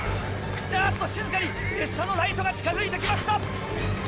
あっと静かに列車のライトが近づいて来ました。